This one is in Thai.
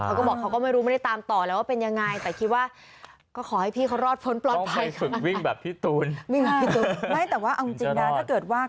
เขาก็บอกว่าเขาไม่ตามต่อจริงแล้วเป็นยังไงแต่คิดว่า